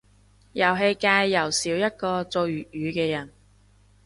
遊戲界又少一個做粵語嘅人